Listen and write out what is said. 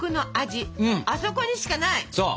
そう！